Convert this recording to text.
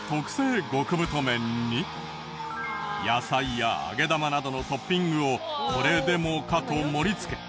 野菜や揚げ玉などのトッピングをこれでもかと盛りつけ。